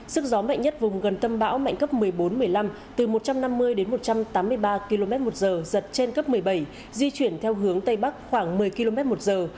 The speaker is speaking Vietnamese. sức gió mạnh nhất vùng gần tâm bão mạnh cấp một mươi bốn một mươi năm từ một trăm năm mươi đến một trăm tám mươi ba km một giờ giật trên cấp một mươi bảy di chuyển theo hướng tây bắc khoảng một mươi km một giờ